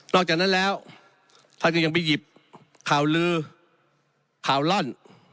อกจากนั้นแล้วท่านก็ยังไปหยิบข่าวลือข่าวล่อน